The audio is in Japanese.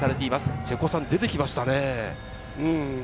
瀬古さん、出てきましたね。